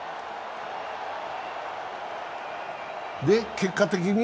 結果的に？